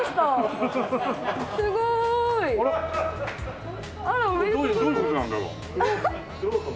あら？どういう事なんだろう？